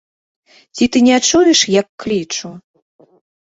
Ці ты не чуеш, як клічу?